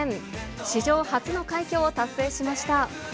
史上初の快挙を達成しました。